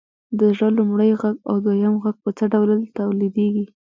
د زړه لومړی غږ او دویم غږ په څه ډول تولیدیږي؟